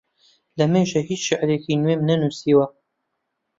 لەمێژە هیچ شیعرێکی نوێم نەنووسیوە.